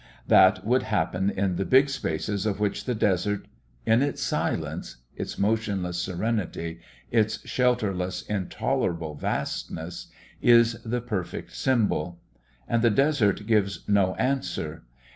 That would happen in the big spaces of which the desert in its silence, its motionless serenity, its shelterless, intolerable vastness, is the perfect symbol. And the desert gives no answer.